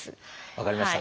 分かりました。